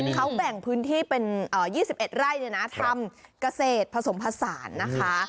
เขาแบ่งพื้นที่เป็น๒๑ไร่ทำเกษตรผสมผสานนะคะ